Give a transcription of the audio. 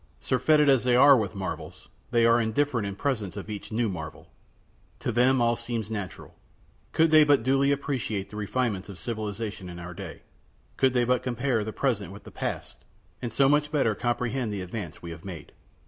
Surfeited as they are with marvels, they are indifferent in presence of each new marvel. To them all seems natural. Could they but duly appreciate the refinements of civilization in our day; could they but compare the present with the past, and so better comprehend the advance we have made!